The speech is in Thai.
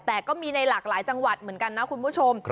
แต่ก็มีในหลากหลายจังหวัดเหมือนกันนะคุณผู้ชม